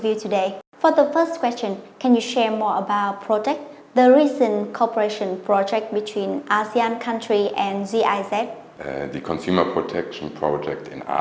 vì vậy chúng ta cần một hệ thống thay đổi hơn và nổi bật về phương tiện quan hệ tài liệu về mối quan hệ của người dùng